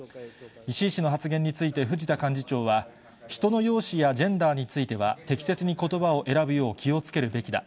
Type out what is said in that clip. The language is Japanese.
石井氏の発言について、藤田幹事長は、人の容姿やジェンダーについては、適切にことばを選ぶよう気をつけるべきだ。